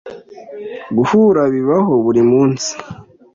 Guhura bibaho buri munsi.